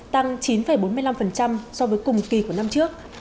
tăng chín bốn mươi năm so với cùng kỳ của năm trước